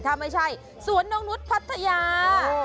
ถ้าไม่ใช่สวนนกนุษย์พัทยา